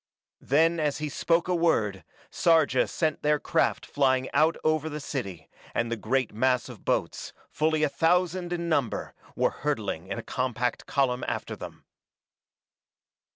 Then as he spoke a word, Sarja sent their craft flying out over the city, and the great mass of boats, fully a thousand in number, were hurtling in a compact column after them.